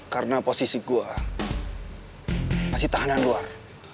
karena posisi gue masih tahanan luar